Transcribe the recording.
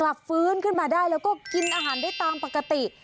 ฟื้นขึ้นมาได้แล้วก็กินอาหารได้ตามปกติ